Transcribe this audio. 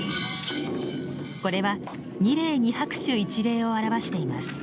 これは二礼二拍手一礼を表しています。